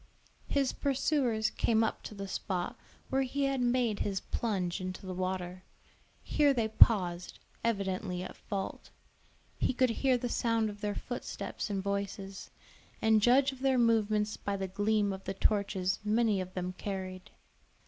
His pursuers came up to the spot where he had made his plunge into the water; here they paused, evidently at fault. He could hear the sound of their footsteps and voices, and judge of their movements by the gleam of the torches many of them carried.